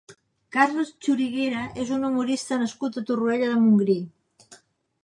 Carles Xuriguera és un humorista nascut a Torroella de Montgrí.